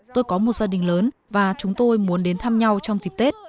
tôi có một gia đình lớn và chúng tôi muốn đến thăm nhau trong dịp tết